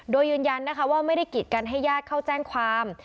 โดยยืนยันนะคะว่าไม่ได้กิดกันให้ญาติเข้าแจ้งความ